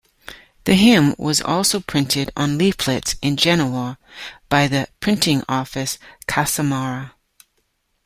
The hymn was also printed on leaflets in Genoa, by the printing office Casamara.